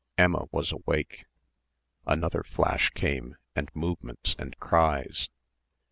Emma was awake. Another flash came and movements and cries.